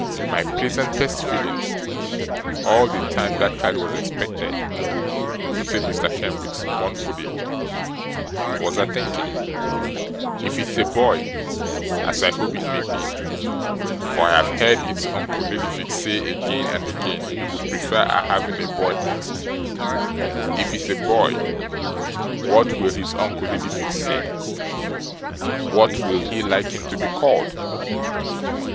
'My pleasantest feeling, all the time that child was expected,' said Mr Kenwigs, mournfully, 'was a thinking, "If it's a boy, as I hope it may be; for I have heard its uncle Lillyvick say again and again he would prefer our having a boy next, if it's a boy, what will his uncle Lillyvick say? What will he like him to be called?